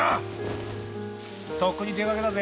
とっくに出掛けたぜ。